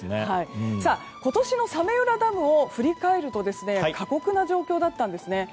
今年の早明浦ダムを振り返ると過酷な状況だったんですね。